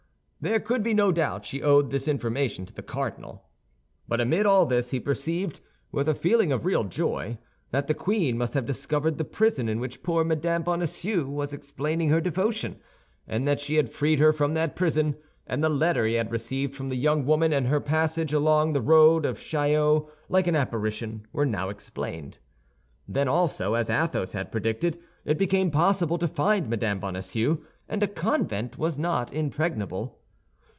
There could be no doubt she owed this information to the cardinal. But amid all this he perceived, with a feeling of real joy, that the queen must have discovered the prison in which poor Mme. Bonacieux was explaining her devotion, and that she had freed her from that prison; and the letter he had received from the young woman, and her passage along the road of Chaillot like an apparition, were now explained. Then also, as Athos had predicted, it became possible to find Mme. Bonacieux, and a convent was not impregnable.